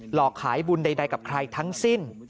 หลอกขายบุญใดกับใครทั้งสิ้น